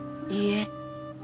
いいえ。